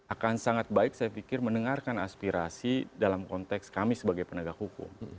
akan sangat baik saya pikir mendengarkan aspirasi dalam konteks kami sebagai penegak hukum